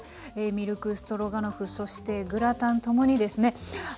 ミルクストロガノフそしてグラタンともにですね